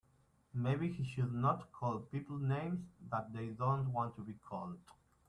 Maybe he should not call people names that they don't want to be called.